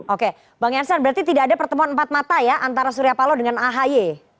oke bang jansen berarti tidak ada pertemuan empat mata ya antara surya paloh dengan ahy